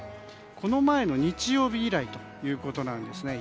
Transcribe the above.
この前の日曜日以来ということなんですね。